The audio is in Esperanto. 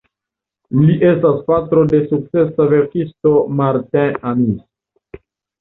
Li estas patro de sukcesa verkisto Martin Amis.